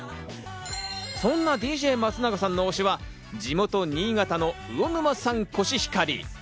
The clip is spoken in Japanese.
そんなＤＪ松永さんの推しは地元新潟の魚沼産コシヒカリ。